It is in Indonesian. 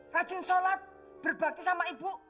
rajin sholat berbagi sama ibu